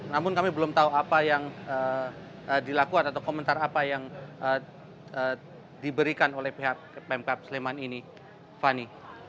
namun kami belum tahu apa yang dilakukan atau komentar apa yang diberikan oleh pihak pemkap sleman ini fani